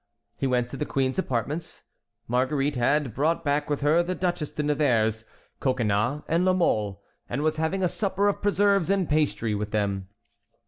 He went to the queen's apartments. Marguerite had brought back with her the Duchesse de Nevers, Coconnas, and La Mole, and was having a supper of preserves and pastry with them.